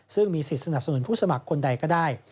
ซึ่งมีสิทธิ์สนับสนุนผู้สมัครคนใดก็ได้